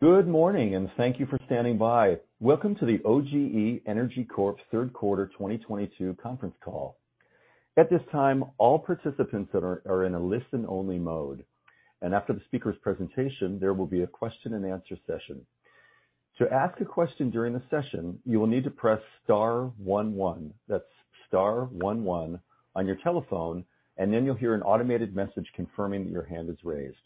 Good morning, and thank you for standing by. Welcome to the OGE Energy Corp's third quarter 2022 conference call. At this time, all participants are in a listen-only mode. After the speaker's presentation, there will be a question-and-answer session. To ask a question during the session, you will need to press star one one, that's star one one, on your telephone, and then you'll hear an automated message confirming that your hand is raised.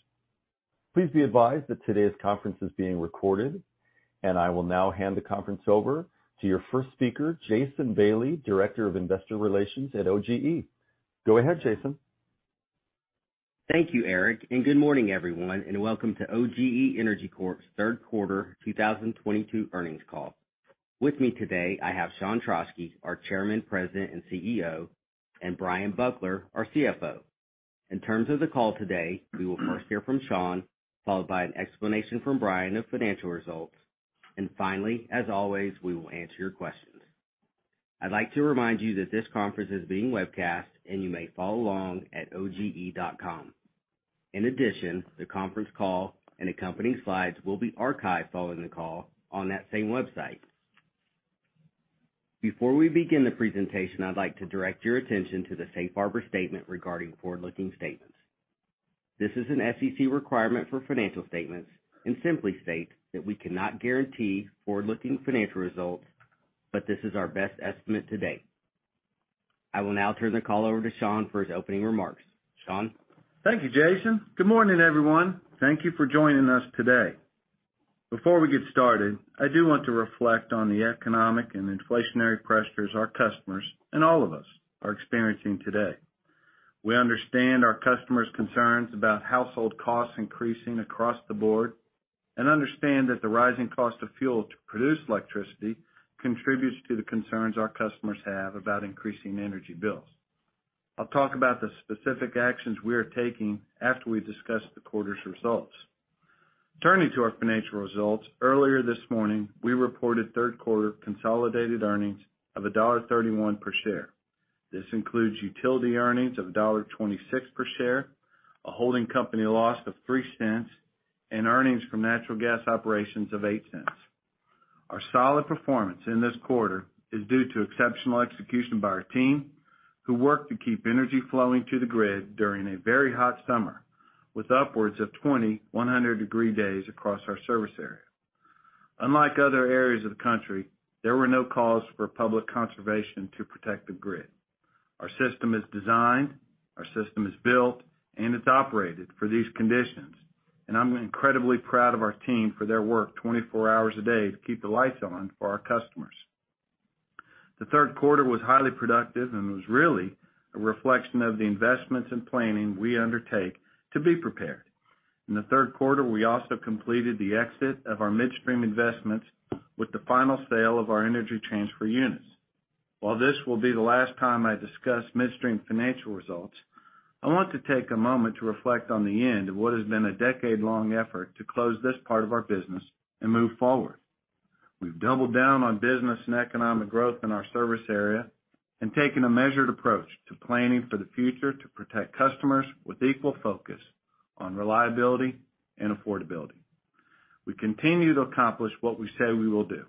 Please be advised that today's conference is being recorded. I will now hand the conference over to your first speaker, Jason Bailey, Director of Investor Relations at OGE Energy. Go ahead, Jason. Thank you, Eric, and good morning, everyone, and welcome to OGE Energy Corp's third quarter 2022 earnings call. With me today, I have Sean Trauschke, our Chairman, President, and CEO, and W. Bryan Buckler Chief Financial Officer I will now turn the call over to Sean for his opening remarks. Sean? Thank you, Jason. Good morning, everyone. Thank you for joining us today. Before we get started, I do want to reflect on the economic and inflationary pressures our customers, and all of us, are experiencing today. We understand our customers' concerns about household costs increasing across the board and understand that the rising cost of fuel to produce electricity contributes to the concerns our customers have about increasing energy bills. I'll talk about the specific actions we are taking after we discuss the quarter's results. Turning to our financial results, earlier this morning, we reported third-quarter consolidated earnings of $1.31 per share. This includes utility earnings of $1.26 per share, a holding company loss of $0.03, and earnings from natural gas operations of $0.08. Our solid performance in this quarter is due to exceptional execution by our team, who work to keep energy flowing to the grid during a very hot summer, with upwards of 20 100-degree days across our service area. Unlike other areas of the country, there were no calls for public conservation to protect the grid. Our system is designed, our system is built, and it's operated for these conditions, and I'm incredibly proud of our team for their work 24 hours a day to keep the lights on for our customers. The third quarter was highly productive and was really a reflection of the investments and planning we undertake to be prepared. In the third quarter, we also completed the exit of our midstream investments with the final sale of our Energy Transfer units. While this will be the last time I discuss midstream financial results, I want to take a moment to reflect on the end of what has been a decade-long effort to close this part of our business and move forward. We've doubled down on business and economic growth in our service area and taken a measured approach to planning for the future to protect customers with equal focus on reliability and affordability. We continue to accomplish what we say we will do,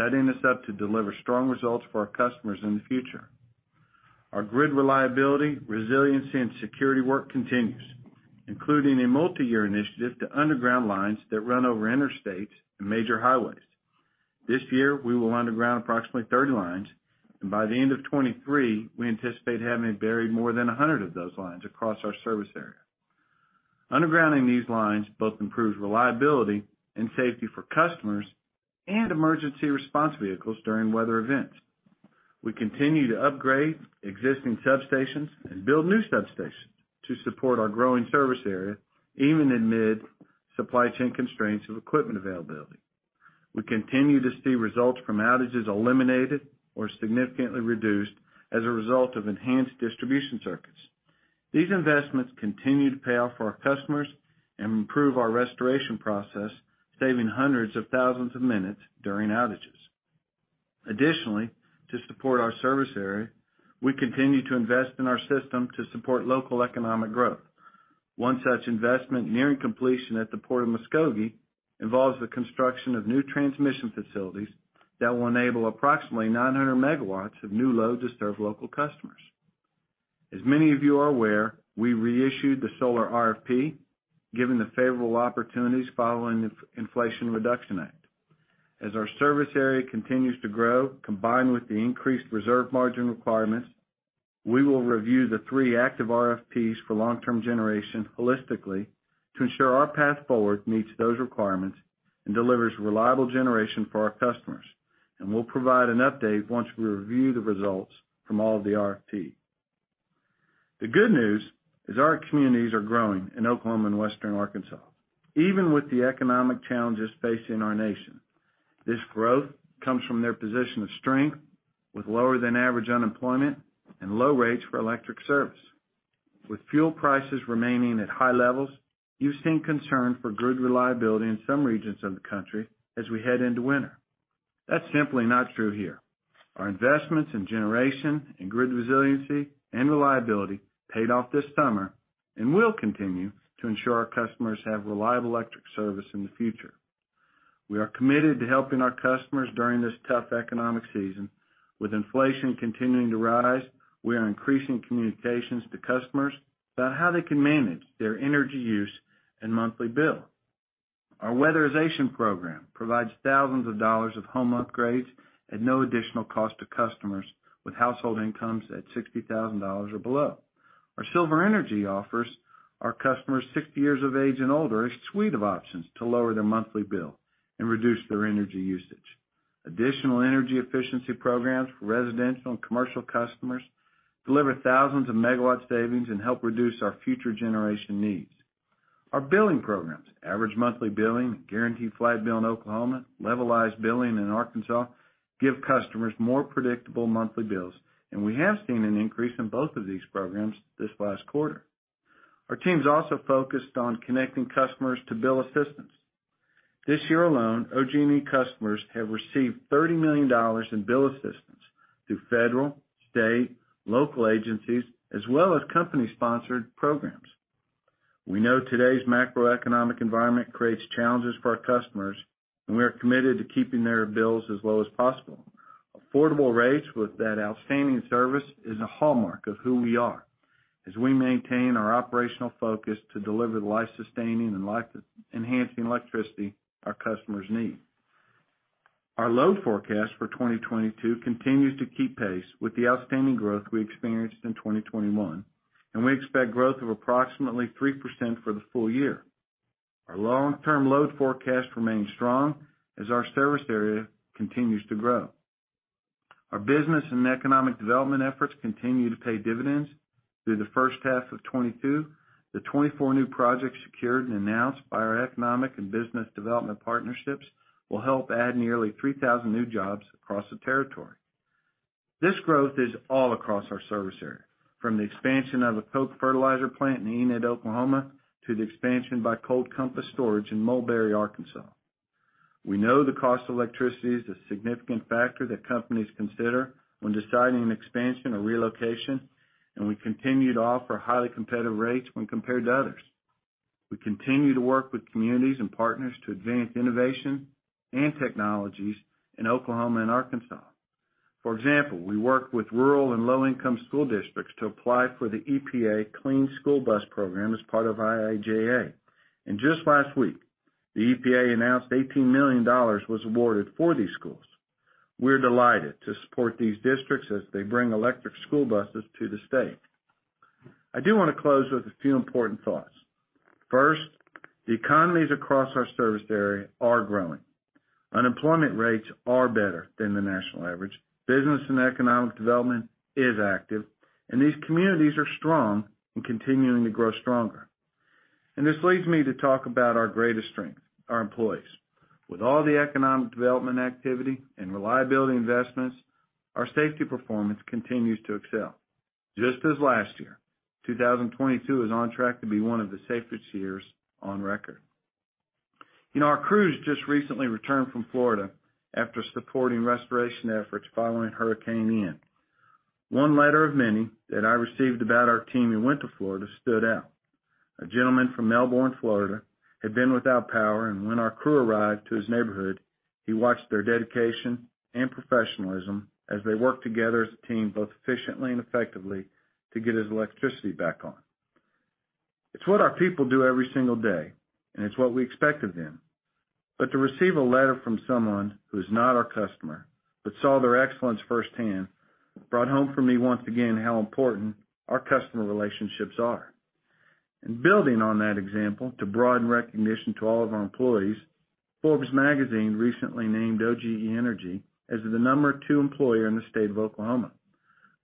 setting us up to deliver strong results for our customers in the future. Our grid reliability, resiliency, and security work continues, including a multiyear initiative to underground lines that run over interstates and major highways. This year, we will underground approximately 30 lines, and by the end of 2023, we anticipate having buried more than 100 of those lines across our service area. Undergrounding these lines both improves reliability and safety for customers and emergency response vehicles during weather events. We continue to upgrade existing substations and build new substations to support our growing service area, even amid supply chain constraints of equipment availability. We continue to see results from outages eliminated or significantly reduced as a result of enhanced distribution circuits. These investments continue to pay off for our customers and improve our restoration process, saving hundreds of thousands of minutes during outages. Additionally, to support our service area, we continue to invest in our system to support local economic growth. One such investment nearing completion at the Port of Muskogee involves the construction of new transmission facilities that will enable approximately 900 megawatts of new load to serve local customers. As many of you are aware, we reissued the solar RFP, given the favorable opportunities following the Inflation Reduction Act. As our service area continues to grow, combined with the increased reserve margin requirements, we will review the three active RFPs for long-term generation holistically to ensure our path forward meets those requirements and delivers reliable generation for our customers. We'll provide an update once we review the results from all of the RFP. The good news is our communities are growing in Oklahoma and Western Arkansas, even with the economic challenges facing our nation. This growth comes from their position of strength with lower than average unemployment and low rates for electric service. With fuel prices remaining at high levels, you've seen concern for grid reliability in some regions of the country as we head into winter. That's simply not true here. Our investments in generation and grid resiliency and reliability paid off this summer and will continue to ensure our customers have reliable electric service in the future. We are committed to helping our customers during this tough economic season. With inflation continuing to rise, we are increasing communications to customers about how they can manage their energy use and monthly bill. Our weatherization program provides thousands of dollars of home upgrades at no additional cost to customers with household incomes at $60,000 or below. Our Silver Energy offers our customers 60 years of age and older a suite of options to lower their monthly bill and reduce their energy usage. Additional energy efficiency programs for residential and commercial customers deliver thousands of megawatt savings and help reduce our future generation needs. Our billing programs, Average Monthly Billing, Guaranteed Flat Bill in Oklahoma, Levelized Billing in Arkansas, give customers more predictable monthly bills, and we have seen an increase in both of these programs this last quarter. Our team's also focused on connecting customers to bill assistance. This year alone, OGE customers have received $30 million in bill assistance through federal, state, local agencies, as well as company-sponsored programs. We know today's macroeconomic environment creates challenges for our customers, and we are committed to keeping their bills as low as possible. Affordable rates with that outstanding service is a hallmark of who we are as we maintain our operational focus to deliver the life-sustaining and life-enhancing electricity our customers need. Our load forecast for 2022 continues to keep pace with the outstanding growth we experienced in 2021, and we expect growth of approximately 3% for the full year. Our long-term load forecast remains strong as our service area continues to grow. Our business and economic development efforts continue to pay dividends. Through the first half of 2022, the 24 new projects secured and announced by our economic and business development partnerships will help add nearly 3,000 new jobs across the territory. This growth is all across our service area, from the expansion of a Koch fertilizer plant in Enid, Oklahoma, to the expansion by Compass Cold Storage in Mulberry, Arkansas. We know the cost of electricity is a significant factor that companies consider when deciding an expansion or relocation, and we continue to offer highly competitive rates when compared to others. We continue to work with communities and partners to advance innovation and technologies in Oklahoma and Arkansas. For example, we work with rural and low-income school districts to apply for the EPA Clean School Bus Program as part of IIJA. Just last week, the EPA announced $18 million was awarded for these schools. We're delighted to support these districts as they bring electric school buses to the state. I do wanna close with a few important thoughts. First, the economies across our service area are growing. Unemployment rates are better than the national average. Business and economic development is active, and these communities are strong and continuing to grow stronger. This leads me to talk about our greatest strength, our employees. With all the economic development activity and reliability investments, our safety performance continues to excel. Just as last year, 2022 is on track to be one of the safest years on record. You know, our crews just recently returned from Florida after supporting restoration efforts following Hurricane Ian. One letter of many that I received about our team who went to Florida stood out. A gentleman from Melbourne, Florida, had been without power, and when our crew arrived to his neighborhood, he watched their dedication and professionalism as they worked together as a team, both efficiently and effectively, to get his electricity back on. It's what our people do every single day, and it's what we expect of them. To receive a letter from someone who is not our customer but saw their excellence firsthand brought home for me once again how important our customer relationships are. Building on that example to broaden recognition to all of our employees, Forbes magazine recently named OGE Energy as the number 2 employer in the state of Oklahoma.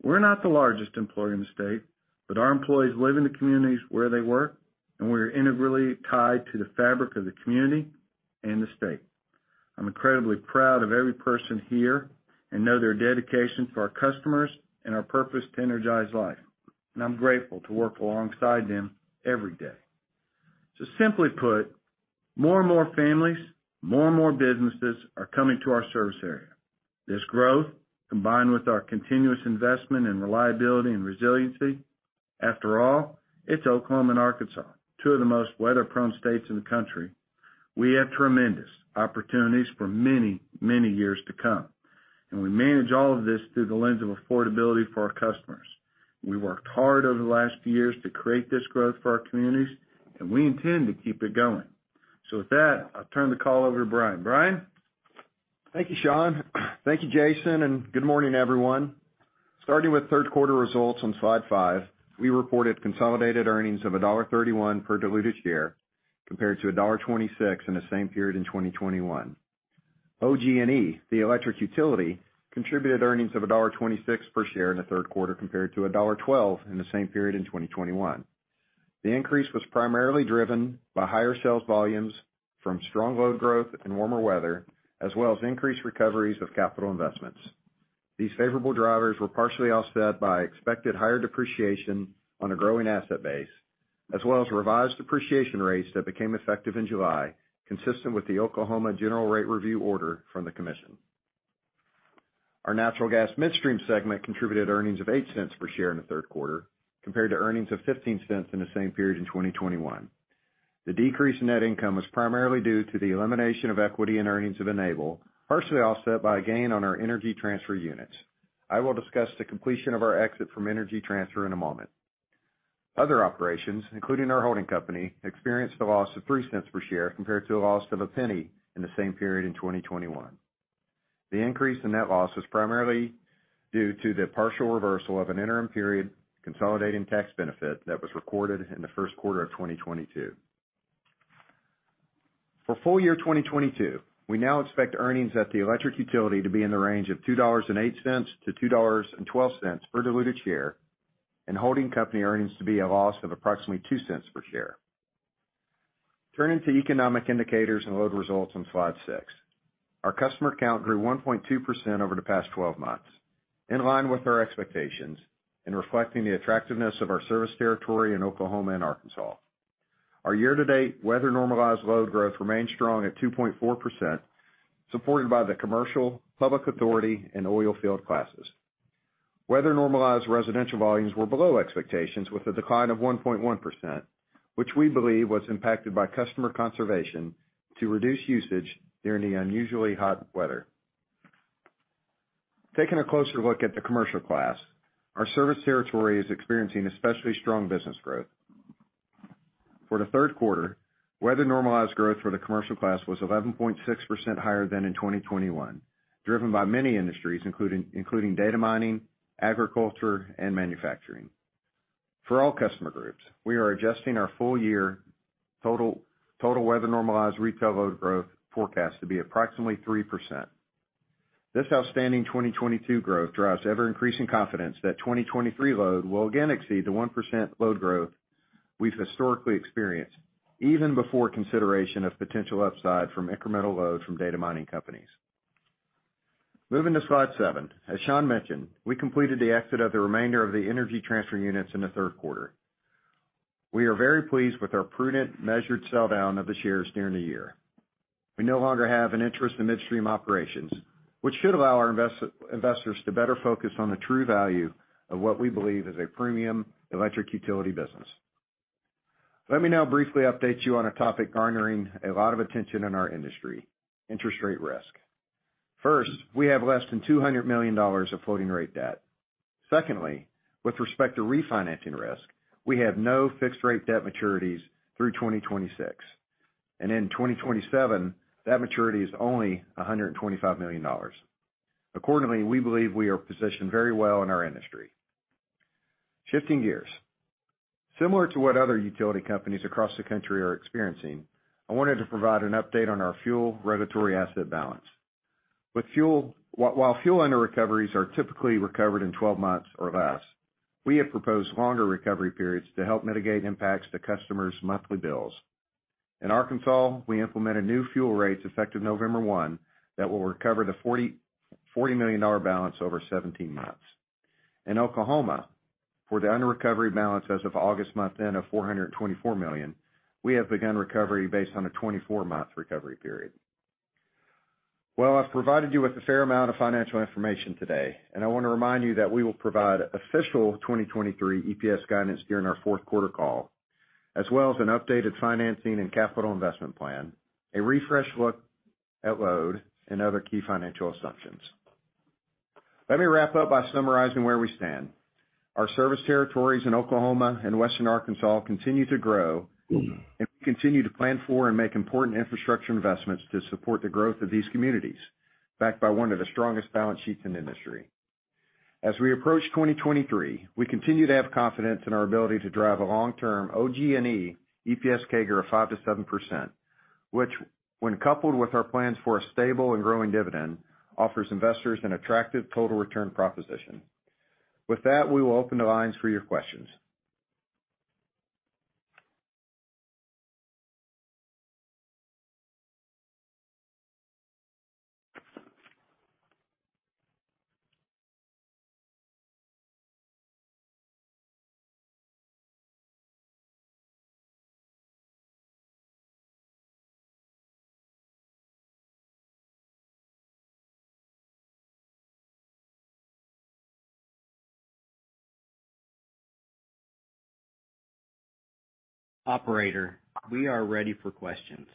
We're not the largest employer in the state, but our employees live in the communities where they work, and we are integrally tied to the fabric of the community and the state. I'm incredibly proud of every person here and know their dedication to our customers and our purpose to energize life, and I'm grateful to work alongside them every day. Simply put, more and more families, more and more businesses are coming to our service area. This growth, combined with our continuous investment in reliability and resiliency, after all, it's Oklahoma and Arkansas, two of the most weather-prone states in the country, we have tremendous opportunities for many, many years to come, and we manage all of this through the lens of affordability for our customers. We worked hard over the last years to create this growth for our communities, and we intend to keep it going. With that, I'll turn the call over to Brian. Bryan? Thank you, Sean. Thank you, Jason, and good morning, everyone. Starting with third quarter results on slide 5, we reported consolidated earnings of $1.31 per diluted share compared to $1.26 in the same period in 2021. OG&E, the electric utility, contributed earnings of $1.26 per share in the third quarter compared to $1.12 in the same period in 2021. The increase was primarily driven by higher sales volumes from strong load growth and warmer weather, as well as increased recoveries of capital investments. These favorable drivers were partially offset by expected higher depreciation on a growing asset base, as well as revised depreciation rates that became effective in July, consistent with the Oklahoma General Rate review order from the commission. Our natural gas midstream segment contributed earnings of $0.08 per share in the third quarter, compared to earnings of $0.15 in the same period in 2021. The decrease in net income was primarily due to the elimination of equity and earnings of Enable, partially offset by a gain on our Energy Transfer units. I will discuss the completion of our exit from Energy Transfer in a moment. Other operations, including our holding company, experienced a loss of $0.03 per share compared to a loss of $0.01 in the same period in 2021. The increase in net loss is primarily due to the partial reversal of an interim period consolidating tax benefit that was recorded in the first quarter of 2022. For full year 2022, we now expect earnings at the electric utility to be in the range of $2.08-$2.12 per diluted share, and holding company earnings to be a loss of approximately $0.02 per share. Turning to economic indicators and load results on slide 6. Our customer count grew 1.2% over the past 12 months, in line with our expectations in reflecting the attractiveness of our service territory in Oklahoma and Arkansas. Our year-to-date weather-normalized load growth remained strong at 2.4%, supported by the commercial, public authority, and oil field classes. Weather-normalized residential volumes were below expectations with a decline of 1.1%, which we believe was impacted by customer conservation to reduce usage during the unusually hot weather. Taking a closer look at the commercial class, our service territory is experiencing especially strong business growth. For the third quarter, weather-normalized growth for the commercial class was 11.6% higher than in 2021, driven by many industries, including data mining, agriculture, and manufacturing. For all customer groups, we are adjusting our full-year total weather-normalized retail load growth forecast to be approximately 3%. This outstanding 2022 growth drives ever-increasing confidence that 2023 load will again exceed the 1% load growth we've historically experienced, even before consideration of potential upside from incremental load from data mining companies. Moving to slide 7. As Sean mentioned, we completed the exit of the remainder of the Energy Transfer units in the third quarter. We are very pleased with our prudent, measured sell-down of the shares during the year. We no longer have an interest in midstream operations, which should allow our investors to better focus on the true value of what we believe is a premium electric utility business. Let me now briefly update you on a topic garnering a lot of attention in our industry, interest rate risk. First, we have less than $200 million of floating rate debt. Secondly, with respect to refinancing risk, we have no fixed rate debt maturities through 2026. In 2027, that maturity is only $125 million. Accordingly, we believe we are positioned very well in our industry. Shifting gears. Similar to what other utility companies across the country are experiencing, I wanted to provide an update on our fuel regulatory asset balance. While fuel underrecoveries are typically recovered in 12 months or less, we have proposed longer recovery periods to help mitigate impacts to customers' monthly bills. In Arkansas, we implemented new fuel rates effective November 1 that will recover the $40 million balance over 17 months. In Oklahoma, for the underrecovery balance as of August month end of $424 million, we have begun recovery based on a 24-month recovery period. Well, I've provided you with a fair amount of financial information today, and I wanna remind you that we will provide official 2023 EPS guidance during our fourth quarter call, as well as an updated financing and capital investment plan, a refreshed look at load and other key financial assumptions. Let me wrap up by summarizing where we stand. Our service territories in Oklahoma and Western Arkansas continue to grow, and we continue to plan for and make important infrastructure investments to support the growth of these communities, backed by one of the strongest balance sheets in the industry. As we approach 2023, we continue to have confidence in our ability to drive a long-term OG&E EPS CAGR of 5%-7%, which when coupled with our plans for a stable and growing dividend, offers investors an attractive total return proposition. With that, we will open the lines for your questions. Operator, we are ready for questions.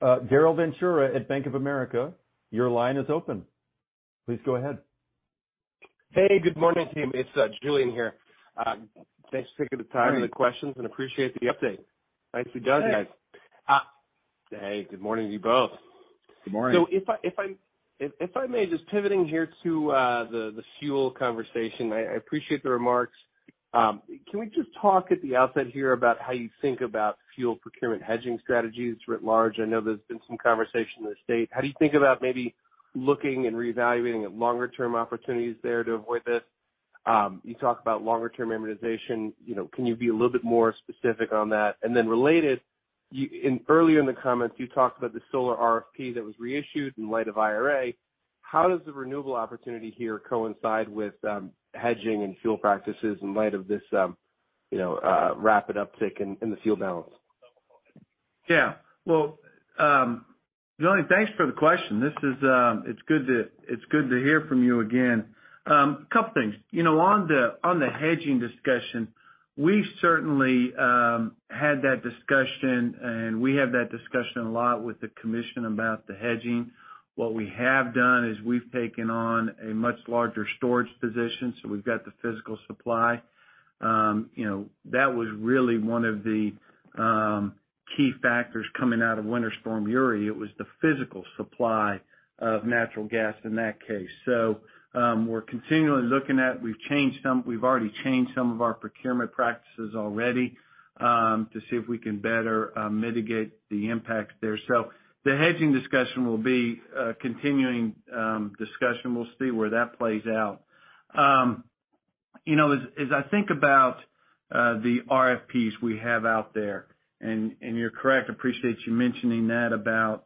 Julien Dumoulin-Smith at Bank of America, your line is open. Please go ahead. Hey, good morning, team. It's Julien here. Thanks for taking the time for the questions and appreciate the update. Nicely done, guys. Hey, good morning to you both. Good morning. If I may, just pivoting here to the fuel conversation. I appreciate the remarks. Can we just talk at the outset here about how you think about fuel procurement hedging strategies writ large? I know there's been some conversation in the state. How do you think about maybe looking and reevaluating at longer term opportunities there to avoid this. You talk about longer term immunization, you know, can you be a little bit more specific on that? Then related, earlier in the comments, you talked about the solar RFP that was reissued in light of IRA. How does the renewable opportunity here coincide with hedging and fuel practices in light of this, you know, rapid uptick in the fuel balance? Yeah. Well, Julien, thanks for the question. It's good to hear from you again. A couple things. You know, on the hedging discussion, we've certainly had that discussion, and we have that discussion a lot with the commission about the hedging. What we have done is we've taken on a much larger storage position, so we've got the physical supply. You know, that was really one of the key factors coming out of Winter Storm Uri. It was the physical supply of natural gas in that case. So, we're continually looking at. We've already changed some of our procurement practices already, to see if we can better mitigate the impact there. So the hedging discussion will be a continuing discussion. We'll see where that plays out. You know, as I think about the RFPs we have out there, and you're correct, appreciate you mentioning that about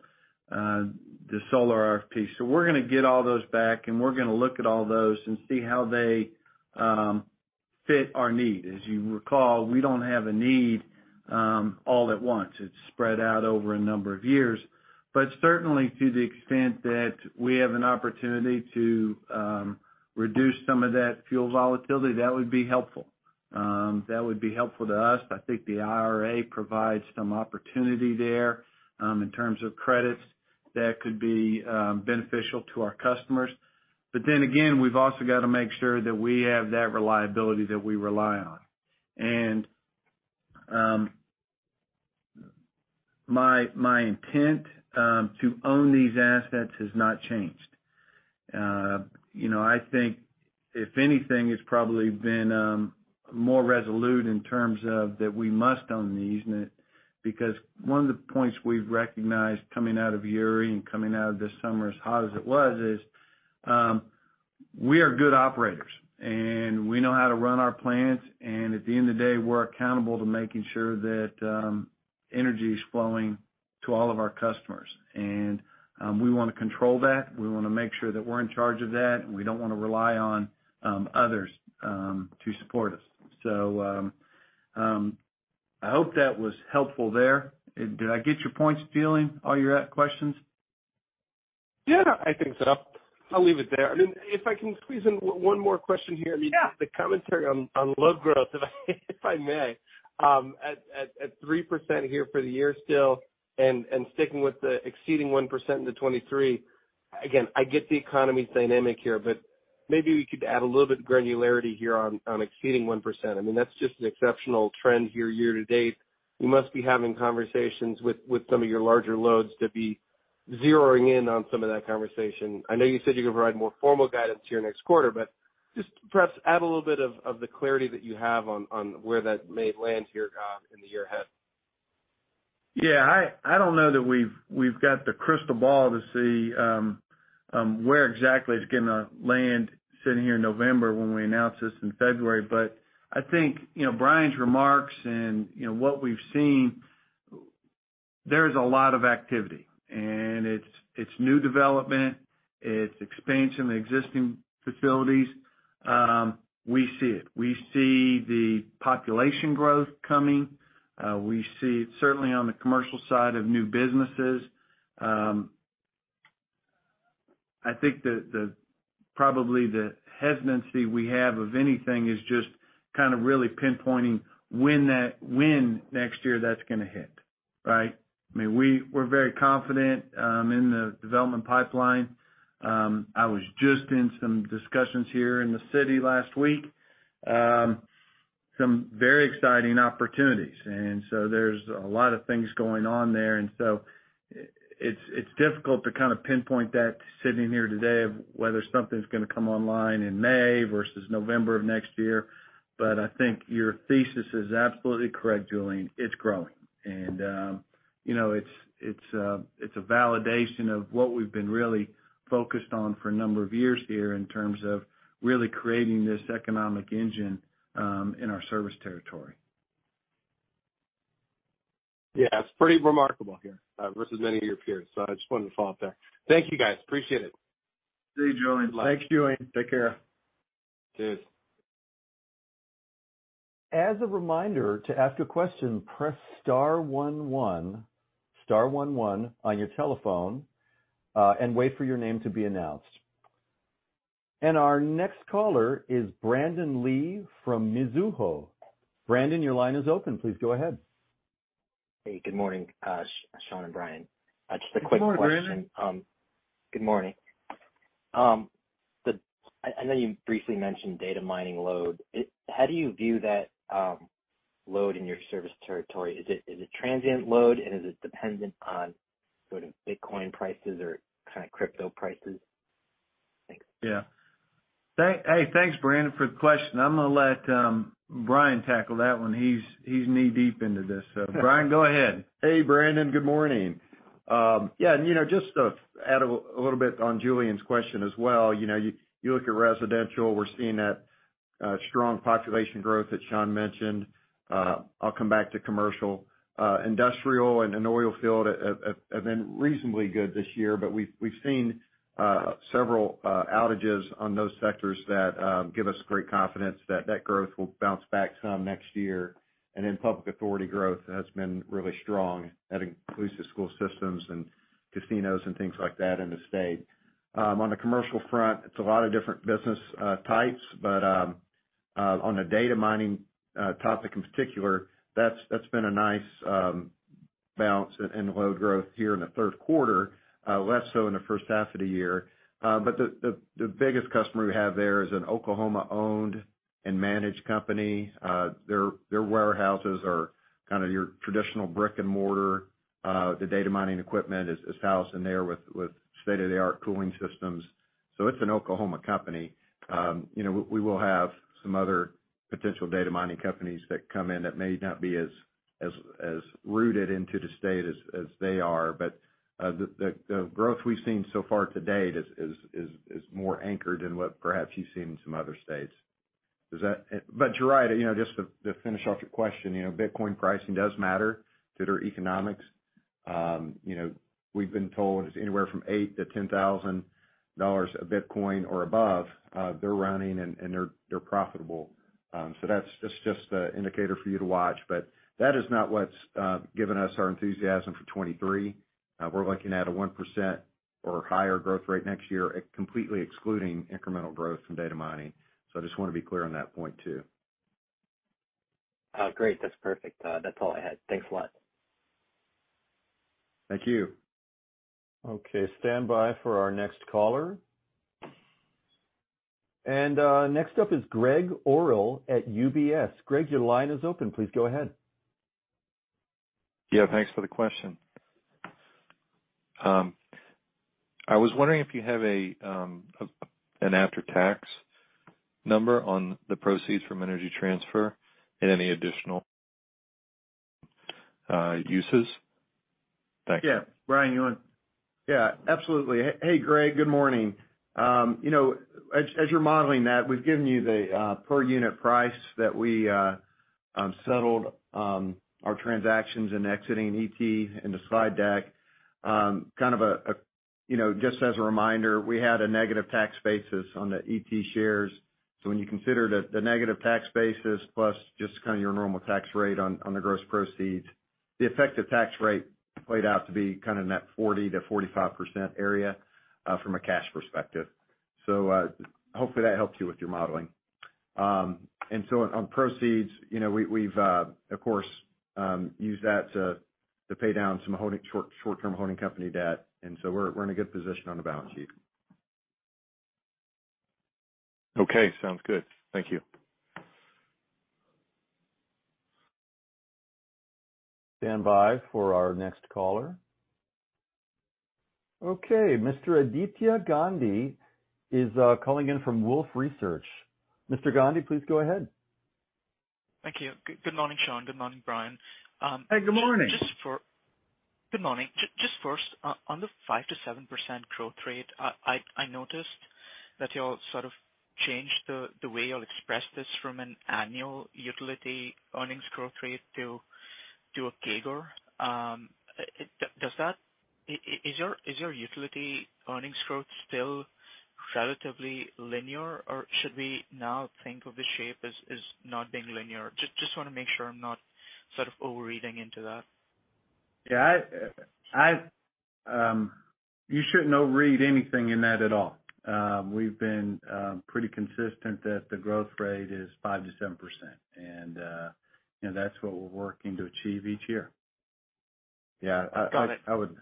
the solar RFP. We're gonna get all those back, and we're gonna look at all those and see how they fit our need. As you recall, we don't have a need all at once. It's spread out over a number of years. Certainly to the extent that we have an opportunity to reduce some of that fuel volatility, that would be helpful. That would be helpful to us. I think the IRA provides some opportunity there in terms of credits that could be beneficial to our customers. Then again, we've also got to make sure that we have that reliability that we rely on. My intent to own these assets has not changed. You know, I think if anything, it's probably been more resolute in terms of that we must own these because one of the points we've recognized coming out of Uri and coming out of this summer as hot as it was is we are good operators, and we know how to run our plants. We wanna control that. We wanna make sure that we're in charge of that, and we don't wanna rely on others to support us. I hope that was helpful there. Did I get your points, Julien? All your questions? Yeah, I think so. I'll leave it there. I mean, if I can squeeze in one more question here. Yeah. The commentary on load growth, if I may. At 3% here for the year still and sticking with the exceeding 1% into 2023. Again, I get the economy's dynamic here, but maybe we could add a little bit of granularity here on exceeding 1%. I mean, that's just an exceptional trend here year to date. You must be having conversations with some of your larger loads to be zeroing in on some of that conversation. I know you said you could provide more formal guidance here next quarter, but just perhaps add a little bit of the clarity that you have on where that may land here in the year ahead. Yeah. I don't know that we've got the crystal ball to see where exactly it's gonna land sitting here in November when we announced this in February. I think you know Brian's remarks and you know what we've seen, there's a lot of activity. It's new development, it's expansion of the existing facilities. We see it. We see the population growth coming. We see certainly on the commercial side of new businesses. I think probably the hesitancy we have of anything is just kinda really pinpointing when next year that's gonna hit. Right? I mean, we're very confident in the development pipeline. I was just in some discussions here in the city last week. Some very exciting opportunities. There's a lot of things going on there. It's difficult to kind of pinpoint that sitting here today of whether something's gonna come online in May versus November of next year. I think your thesis is absolutely correct, Julien. It's growing. You know, it's a validation of what we've been really focused on for a number of years here in terms of really creating this economic engine in our service territory. Yeah, it's pretty remarkable here, versus many of your peers. I just wanted to follow up there. Thank you, guys. Appreciate it. See you, Julien. Thanks, Julien. Take care. Cheers. As a reminder, to ask a question, press star one one, star one one on your telephone, and wait for your name to be announced. Our next caller is Brandon Lee from Mizuho. Brandon, your line is open. Please go ahead. Hey, good morning, Sean and Bryan. Just a quick question. Good morning, Brandon. Good morning. I know you briefly mentioned data mining load. How do you view that load in your service territory? Is it transient load, and is it dependent on sort of Bitcoin prices or kinda crypto prices? Yeah. Hey, thanks, Brandon, for the question. I'm gonna let Bryan tackle that one. He's knee-deep into this. Bryan, go ahead. Hey, Brandon. Good morning. Yeah, you know, just to add a little bit on Julien's question as well, you know, you look at residential. We're seeing that strong population growth that Sean mentioned. I'll come back to commercial. Industrial and oil field have been reasonably good this year, but we've seen several outages on those sectors that give us great confidence that growth will bounce back some next year. Public authority growth has been really strong. That includes the school systems and casinos and things like that in the state. On the commercial front, it's a lot of different business types, but on the data mining topic in particular, that's been a nice bounce in load growth here in the third quarter, less so in the first half of the year. But the biggest customer we have there is an Oklahoma-owned and managed company. Their warehouses are kind of your traditional brick and mortar. The data mining equipment is housed in there with state-of-the-art cooling systems. So it's an Oklahoma company. You know, we will have some other potential data mining companies that come in that may not be as rooted into the state as they are. The growth we've seen so far to date is more anchored than what perhaps you've seen in some other states. You're right. You know, just to finish off your question, you know, Bitcoin pricing does matter to their economics. You know, we've been told it's anywhere from $8,000-$10,000 a Bitcoin or above, they're running and they're profitable. So that's just an indicator for you to watch. That is not what's given us our enthusiasm for 2023. We're looking at a 1% or higher growth rate next year that completely excludes incremental growth from data mining. I just wanna be clear on that point too. Oh, great. That's perfect. That's all I had. Thanks a lot. Thank you. Okay, standby for our next caller. Next up is Gregg Orrill at UBS. Greg, your line is open. Please go ahead. Yeah, thanks for the question. I was wondering if you have an after-tax number on the proceeds from Energy Transfer and any additional uses? Thank you. Yeah. Bryan, you on? Yeah, absolutely. Hey, Greg, good morning. You know, as you're modeling that, we've given you the per unit price that we settled our transactions in exiting ET in the slide deck. Kind of, you know, just as a reminder, we had a negative tax basis on the ET shares. When you consider the negative tax basis plus just kinda your normal tax rate on the gross proceeds, the effective tax rate played out to be kind of in that 40%-45% area from a cash perspective. Hopefully that helps you with your modeling. On proceeds, you know, we've of course used that to pay down some short-term holding company debt, and so we're in a good position on the balance sheet. Okay, sounds good. Thank you. Standby for our next caller. Okay, Mr. Aditya Gandhi is calling in from Wolfe Research. Mr. Gandhi, please go ahead. Thank you. Good morning, Sean. Good morning, Bryan. Hey, good morning. Good morning. Just first, on the 5%-7% growth rate, I noticed that y'all sort of changed the way y'all expressed this from an annual utility earnings growth rate to a CAGR. Is your utility earnings growth still relatively linear, or should we now think of the shape as not being linear? Just wanna make sure I'm not sort of overreading into that. Yeah. You shouldn't overread anything in that at all. We've been pretty consistent that the growth rate is 5%-7%. You know, that's what we're working to achieve each year. Yeah. Got it. I would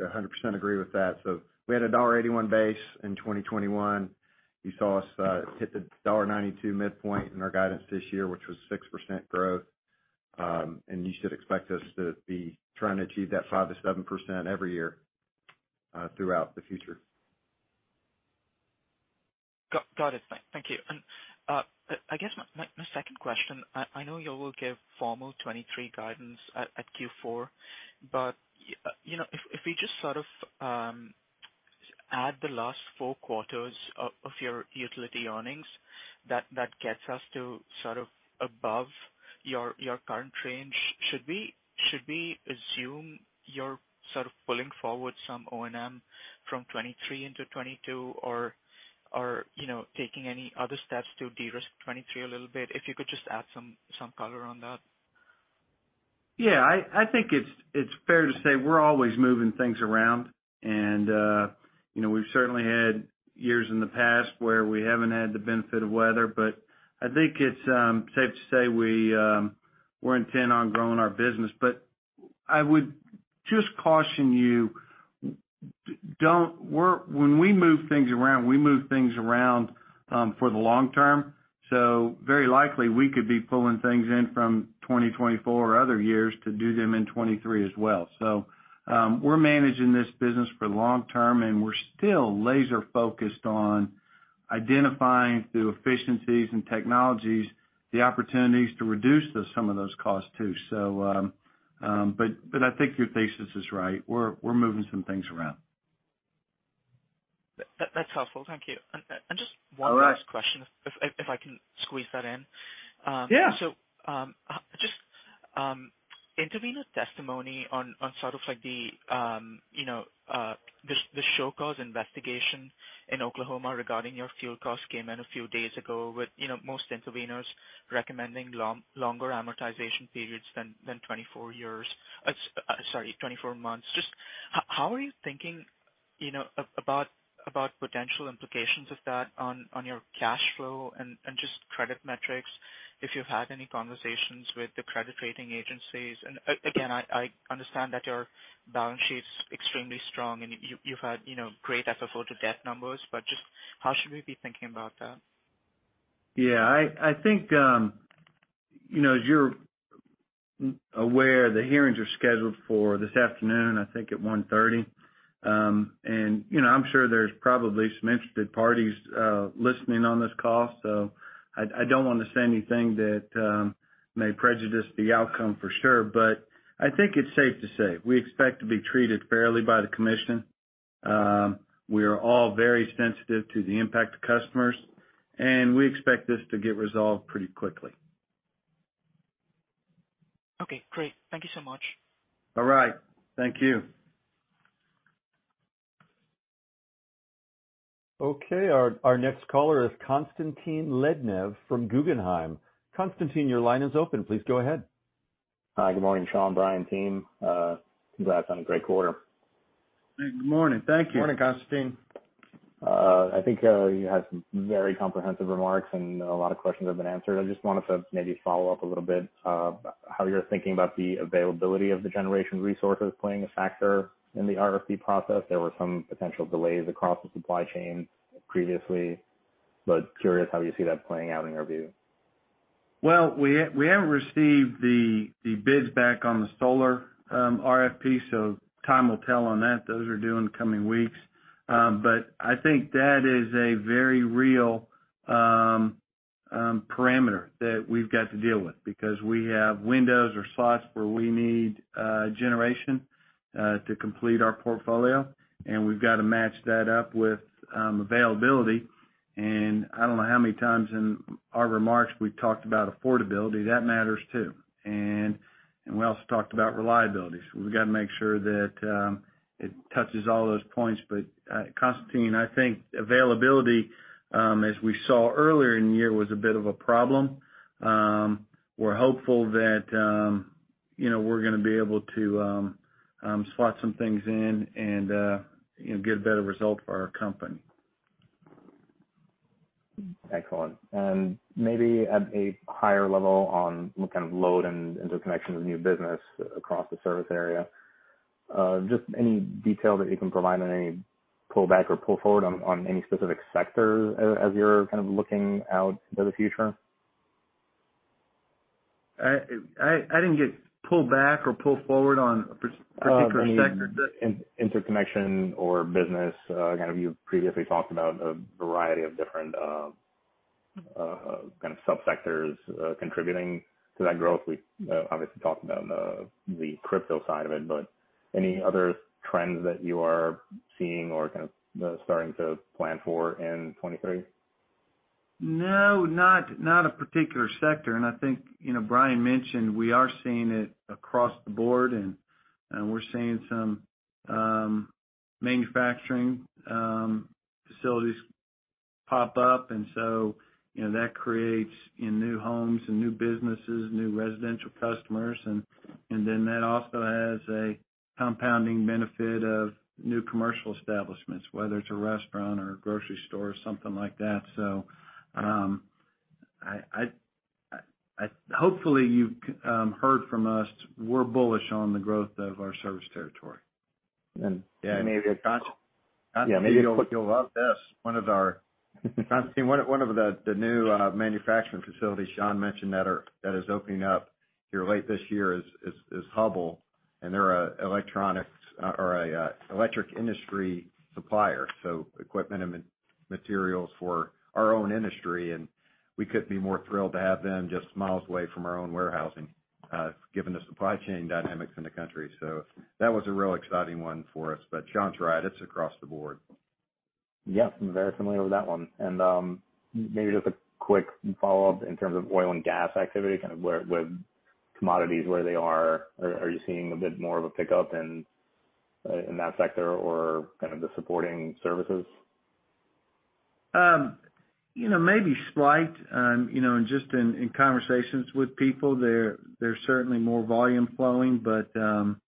100% agree with that. We had a $1.81 base in 2021. You saw us hit the $1.92 midpoint in our guidance this year, which was 6% growth. You should expect us to be trying to achieve that 5%-7% every year throughout the future. Got it. Thank you. I guess my second question, I know you will give formal 2023 guidance at Q4, but you know, if we just sort of add the last four quarters of your utility earnings, that gets us to sort of above your current range. Should we assume you're sort of pulling forward some O&M from 2023 into 2022 or, you know, taking any other steps to de-risk 2023 a little bit? If you could just add some color on that. Yeah. I think it's fair to say we're always moving things around. You know, we've certainly had years in the past where we haven't had the benefit of weather. I think it's safe to say we're intent on growing our business. I would just caution you, when we move things around, we move things around for the long term. Very likely, we could be pulling things in from 2024 or other years to do them in 2023 as well. We're managing this business for the long term, and we're still laser focused on Identifying through efficiencies and technologies the opportunities to reduce some of those costs too. But I think your thesis is right. We're moving some things around. That's helpful, thank you. Just one last question. All right. if I can squeeze that in. Yeah. Just intervenor testimony on sort of like the you know the show cause investigation in Oklahoma regarding your fuel costs came in a few days ago with you know most intervenors recommending longer amortization periods than 24 years. Sorry, 24 months. Just how are you thinking you know about potential implications of that on your cash flow and just credit metrics? If you've had any conversations with the credit rating agencies? Again, I understand that your balance sheet's extremely strong, and you've had you know great FFO to debt numbers, but just how should we be thinking about that? Yeah. I think, you know, as you're aware, the hearings are scheduled for this afternoon, I think at 1:30 P.M. I'm sure there's probably some interested parties listening on this call, so I don't want to say anything that may prejudice the outcome for sure. I think it's safe to say we expect to be treated fairly by the commission. We are all very sensitive to the impact on customers, and we expect this to get resolved pretty quickly. Okay, great. Thank you so much. All right. Thank you. Okay. Our next caller is Constantine Lednev from Guggenheim. Constantine, your line is open. Please go ahead. Hi. Good morning, Sean, Bryan, team. Congrats on a great quarter. Good morning. Thank you. Morning, Constantine. I think you had some very comprehensive remarks, and a lot of questions have been answered. I just wanted to maybe follow up a little bit, how you're thinking about the availability of the generation resources playing a factor in the RFP process. There were some potential delays across the supply chain previously, but curious how you see that playing out in your view. Well, we haven't received the bids back on the solar RFP, so time will tell on that. Those are due in the coming weeks. I think that is a very real parameter that we've got to deal with because we have windows or slots where we need generation to complete our portfolio, and we've got to match that up with availability. I don't know how many times in our remarks we've talked about affordability. That matters too. We also talked about reliability. We've got to make sure that it touches all those points. Constantine, I think availability, as we saw earlier in the year, was a bit of a problem. We're hopeful that, you know, we're gonna be able to slot some things in and, you know, get a better result for our company. Excellent. Maybe at a higher level on what kind of load and interconnection with new business across the service area, just any detail that you can provide on any pullback or pull forward on any specific sectors as you're kind of looking out to the future? I didn't get pull back or pull forward in a particular sector. I mean, interconnection or business. Kind of you've previously talked about a variety of different kind of subsectors contributing to that growth. We obviously talked about the crypto side of it, but any other trends that you are seeing or kind of starting to plan for in 2023? No, not a particular sector. I think, you know, Brian mentioned we are seeing it across the board and we're seeing some manufacturing facilities pop up. You know, that creates, you know, new homes and new businesses, new residential customers and then that also has a compounding benefit of new commercial establishments, whether it's a restaurant or a grocery store or something like that. Hopefully you heard from us, we're bullish on the growth of our service territory. Maybe a quick- Yeah, maybe you'll. Constantine, you'll love this. One of the new manufacturing facilities Sean mentioned that is opening up here late this year is Hubbell, and they're an electronics or an electric industry supplier, so equipment and materials for our own industry. We couldn't be more thrilled to have them just miles away from our own warehousing, given the supply chain dynamics in the country. That was a real exciting one for us. Sean's right, it's across the board. Yep, I'm very familiar with that one. Maybe just a quick follow-up in terms of oil and gas activity, kind of where commodities, where they are. Are you seeing a bit more of a pickup in that sector or kind of the supporting services? You know, maybe slight. You know, just in conversations with people, there's certainly more volume flowing, but I'm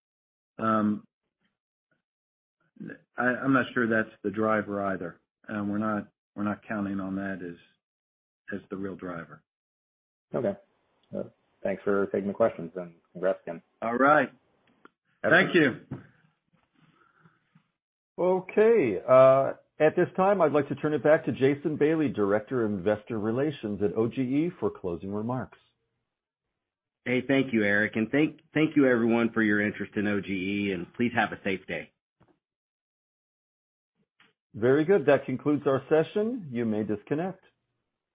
not sure that's the driver either. We're not counting on that as the real driver. Okay. Thanks for taking the questions, and congrats again. All right. Thank you. Okay. At this time, I'd like to turn it back to Jason Bailey, Director of Investor Relations at OGE, for closing remarks. Hey, thank you, Eric, and thank you everyone for your interest in OGE, and please have a safe day. Very good. That concludes our session. You may disconnect.